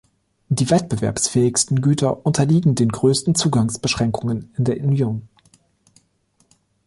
Die wettbewerbsfähigsten Güter unterliegen den größten Zugangsbeschränkungen in der Union.